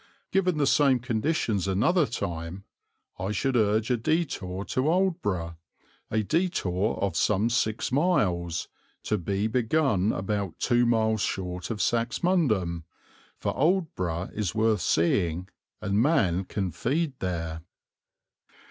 Given the same conditions another time, I should urge a detour to Aldeburgh, a detour of some six miles to be begun about two miles short of Saxmundham, for Aldeburgh is worth seeing and man can feed there.